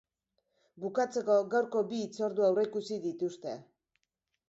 Bukatzeko, gaurko bi hitzordu aurreikusi dituzte.